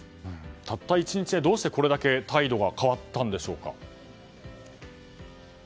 たった１日でどうしてこれだけ態度が変わったんでしょうか？